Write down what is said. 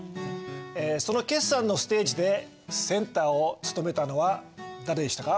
その決算のステージでセンターを務めたのは誰でしたか？